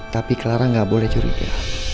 tapi clara gak boleh curiga